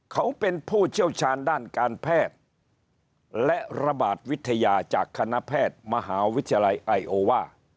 เขาเป็นผู้เชี่ยวชาญด้านการแพทย์และระบาดวิทยาจากคณะแพทย์มหาวิทยาลัยไอโอว่า